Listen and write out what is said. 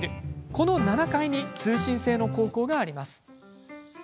この７階に通信制の高校があります。